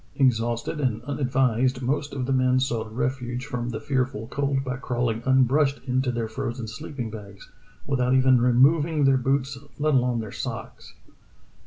Exhausted and unadvised, most of the men sought ref uge from the fearful cold by crawling unbrushed into their frozen sleeping bags, without even removing their boots let alone their socks.